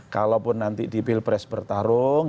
kalaupun nanti di pilpres bertarung